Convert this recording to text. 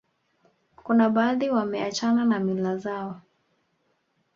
kuna baadhi wameachana na mila zao